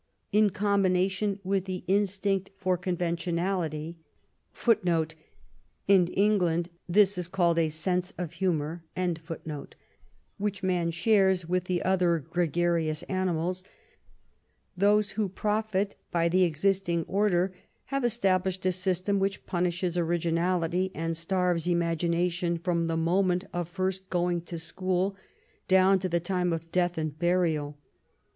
In combination with the instinct for conventionality, which man shares with the other gregarious animals, those who profit by the existing order have established a system which punishes originality and starves imagination from the moment of first going to school down to the time of death and burial.